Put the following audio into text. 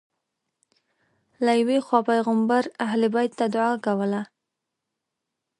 له یوې خوا پیغمبر اهل بیت ادعا کوله